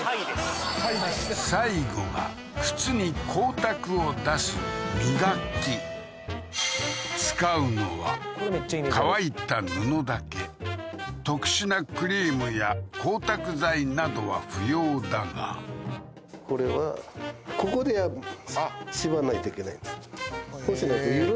最後は靴に光沢を出す磨き使うのは乾いた布だけ特殊なクリームや光沢剤などは不要だがこれはここで縛んないといけないんですへ